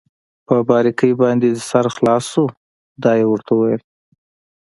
په باریکۍ باندې دې سر خلاص شو؟ دا يې ورته وویل.